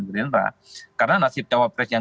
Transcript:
gerindra karena nasib cawapres yang